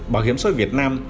bảo hiểm số việt nam